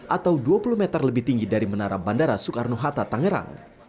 atau dua puluh meter lebih tinggi dari menara bandara soekarno hatta tangerang